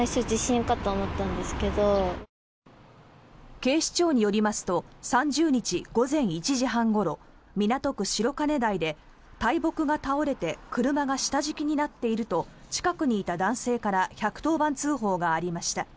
警視庁によりますと３０日午前１時半ごろ港区白金台で、大木が倒れて車が下敷きになっていると近くにいた男性から１１０番通報がありました。